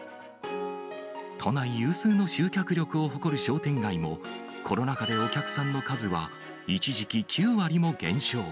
都内有数の集客力を誇る商店街も、コロナ禍でお客さんの数は一時期９割も減少。